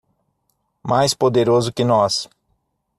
Mais poderoso que nós